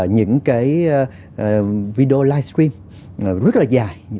những cái video live stream rất là dài ba bốn tiếng đồng hồ